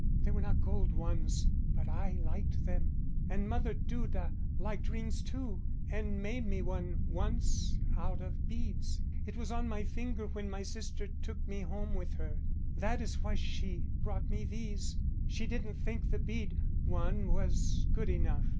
They were not gold ones, but I liked them. And Mother Duda liked rings too and made me one once out of beads. It was on my finger when my sister took me home with her. That is why she brought me these. She didn't think the bead one was good enough.